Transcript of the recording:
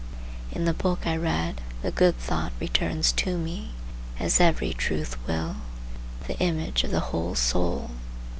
In the book I read, the good thought returns to me, as every truth will, the image of the whole soul.